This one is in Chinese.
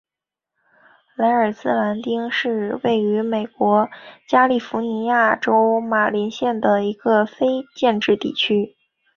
莱尔兹兰丁是位于美国加利福尼亚州马林县的一个非建制地区。